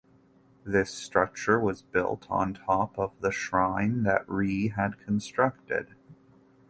This structure was built on top of the shrine that Re had constructed.